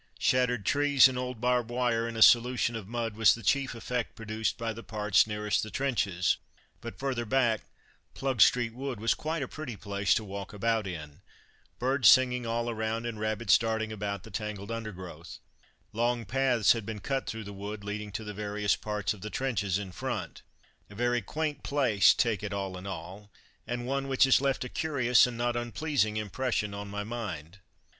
Shattered trees and old barbed wire in a solution of mud was the chief effect produced by the parts nearest the trenches, but further back "Plugstreet Wood" was quite a pretty place to walk about in. Birds singing all around, and rabbits darting about the tangled undergrowth. Long paths had been cut through the wood leading to the various parts of the trenches in front. A very quaint place, take it all in all, and one which has left a curious and not unpleasing impression on my mind.